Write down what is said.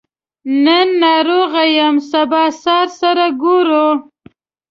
نن ناروغه يم سبا سهار سره ګورو